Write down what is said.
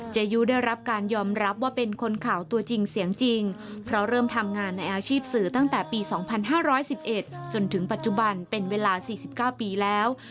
ยุได้รับการยอมรับว่าเป็นคนข่าวตัวจริงเสียงจริงเพราะเริ่มทำงานในอาชีพสื่อตั้งแต่ปี๒๕๑๑จนถึงปัจจุบันเป็นเวลา๔๙ปีแล้ว